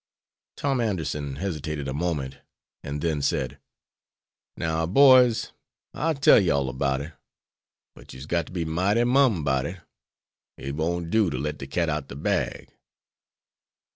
Tom Anderson hesitated a moment, and then said: "Now, boys, I'll tell you all 'bout it. But you's got to be mighty mum 'bout it. It won't do to let de cat outer de bag."